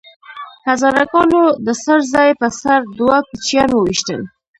هزاره ګانو د څړ ځای په سر دوه کوچیان وويشتل